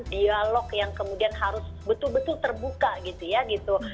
dialog yang kemudian harus betul betul terbuka gitu ya gitu